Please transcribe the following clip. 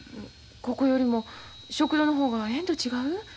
ここよりも食堂の方がええんと違う？